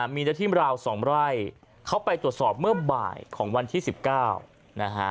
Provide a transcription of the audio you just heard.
มีเนื้อที่ราว๒ไร่เขาไปตรวจสอบเมื่อบ่ายของวันที่๑๙นะฮะ